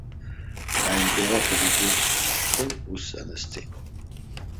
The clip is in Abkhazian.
Аимператор изызҩыз ашәҟәы ус анысҵеит.